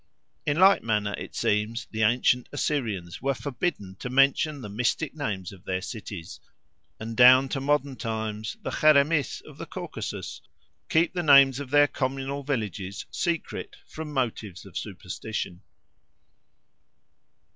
In like manner, it seems, the ancient Assyrians were forbidden to mention the mystic names of their cities; and down to modern times the Cheremiss of the Caucasus keep the names of their communal villages secret from motives of superstition.